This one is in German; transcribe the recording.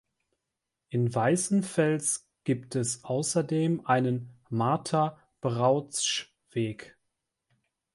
In Weißenfels gibt es außerdem einen "Martha-Brautzsch-Weg".